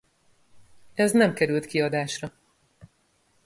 Ez nem került kiadásra.